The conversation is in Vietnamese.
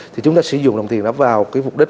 thì chúng ta sử dụng đồng tiền đó vào cái mục đích